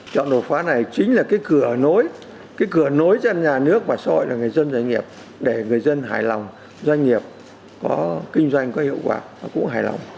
chọn đột phá này chính là cái cửa nối cái cửa nối cho nhà nước và so với người dân doanh nghiệp để người dân hài lòng doanh nghiệp kinh doanh có hiệu quả và cũng hài lòng